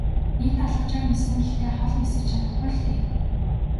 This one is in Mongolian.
Нэг далавчаар ниснэ гэхдээ хол нисэж чадахгүй л дээ.